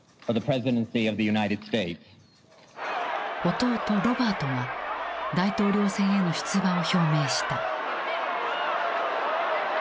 弟ロバートが大統領選への出馬を表明した。